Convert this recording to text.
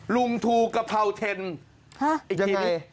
ลุงทูกระเพราเทนอีกทีนึงเธอกัย